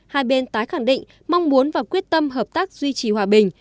hai bên tái khẳng định mong muốn và quyết tâm hợp tác duy trì hòa bình